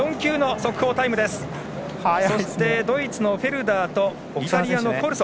そしてドイツのフェルダーとイタリアのコルソ